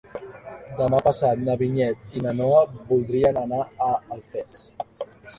Demà passat na Vinyet i na Noa voldrien anar a Alfés.